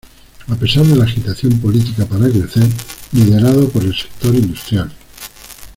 A pesar de la agitación política, para crecer, liderado por el sector industrial.